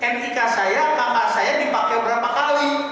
nik saya kakak saya dipakai berapa kali